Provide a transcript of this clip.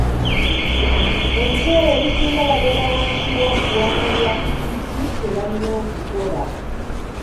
Ebiseera ebisinga babeera wansi w’okuwabulwa ku kiki kye balina okukola.